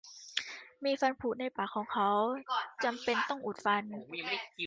มีฟันผุในปากของเขา จำเป็นต้องอุดฟัน